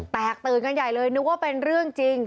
แตกตื่นกันใหญ่เลยนึกว่าเป็นเรื่องจริง